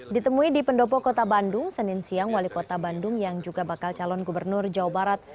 ditemui di pendopo kota bandung senin siang wali kota bandung yang juga bakal calon gubernur jawa barat